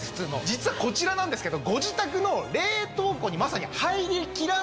実はこちらなんですけど。